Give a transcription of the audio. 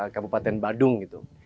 kabupaten bandung gitu